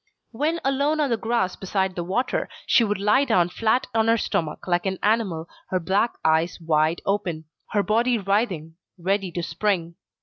When alone on the grass beside the water, she would lie down flat on her stomach like an animal, her black eyes wide open, her body writhing, ready to spring.